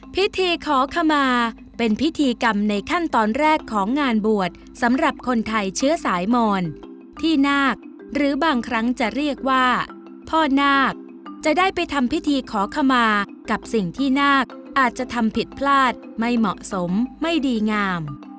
พิธีขอขมาเป็นพิธีกรรมในขั้นตอนแรกของงานบวชสำหรับคนไทยเชื้อสายมอนที่นาคหรือบางครั้งจะเรียกว่าพ่อนาคจะได้ไปทำพิธีขอขมากับสิ่งที่นาคอาจจะทำผิดพลาดไม่เหมาะสมไม่ดีงาม